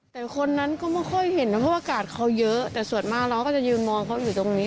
แต่คนนั้นก็ไม่ค่อยเห็นนะเพราะว่ากาศเขาเยอะแต่ส่วนมากเราก็จะยืนมองเขาอยู่ตรงนี้